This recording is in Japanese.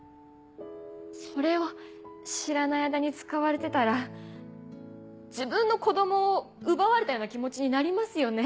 それを知らない間に使われてたら自分の子供を奪われたような気持ちになりますよね。